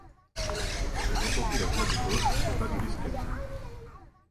On entendit la voix de Boche, au bas de l'escalier.